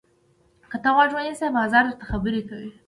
که ته غوږ ونیسې، بازار درته خبرې کوي.